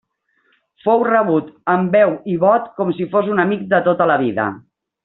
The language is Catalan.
Fou rebut amb veu i vot com si fos un amic de tota la vida.